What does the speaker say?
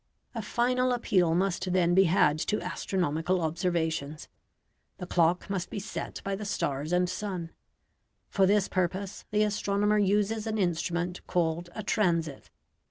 A final appeal must then be had to astronomical observations. The clock must be set by the stars and sun. For this purpose the astronomer uses an instrument called a "transit."